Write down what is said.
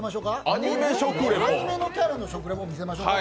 アニメのキャラの食レポ見せましょう。